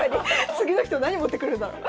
次の人何持ってくるんだろう。